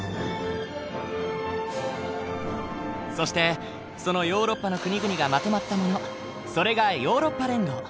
そしてそのヨーロッパの国々がまとまったものそれがヨーロッパ連合。